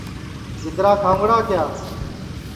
گِدرا کھاؤنگڑا کِیا